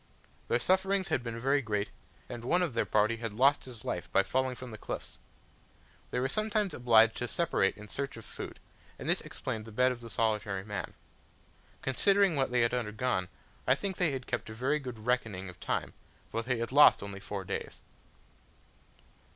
Their sufferings had been very great, and one of their party had lost his life by falling from the cliffs. They were sometimes obliged to separate in search of food, and this explained the bed of the solitary man. Considering what they had undergone, I think they had kept a very good reckoning of time, for they had lost only four days.